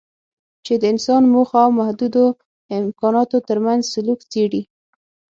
چې د انسان موخو او محدودو امکاناتو ترمنځ سلوک څېړي.